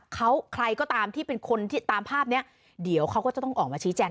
เขาใครก็ตามที่เป็นคนที่ตามภาพเนี้ยเดี๋ยวเขาก็จะต้องออกมาชี้แจง